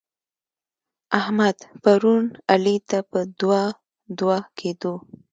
احمد؛ پرون علي ته په دوه دوه کېدو.